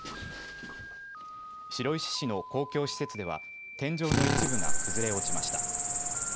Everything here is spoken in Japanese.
白石市の公共施設では天井の一部が崩れ落ちました。